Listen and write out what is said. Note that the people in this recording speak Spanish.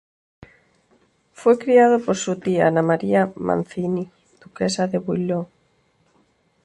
Fue criado por su tía, María Ana Mancini, duquesa de Bouillon.